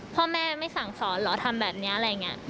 พ่อแม่ไม่สั่งสอนเหรอทำแบบนี้อะไรอย่างนี้